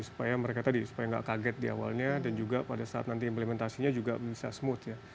supaya mereka tadi supaya nggak kaget di awalnya dan juga pada saat nanti implementasinya juga bisa smooth ya